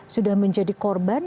sudah menjadi korban